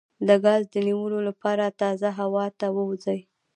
د ګاز د نیولو لپاره تازه هوا ته ووځئ